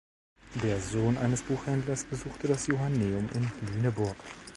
Der Sohn eines Buchhändlers besuchte das Johanneum in Lüneburg.